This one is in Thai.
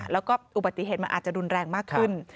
แล้วก็อุบัติเหตุมันอาจจะรุนแรงมากขึ้น